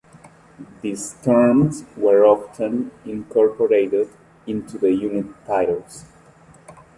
These terms were often incorporated into the unit titles.